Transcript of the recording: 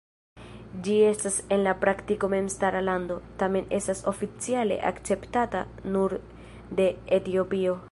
Ĝi estas en la praktiko memstara lando, tamen estas oficiale akceptata nur de Etiopio.